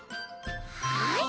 はい。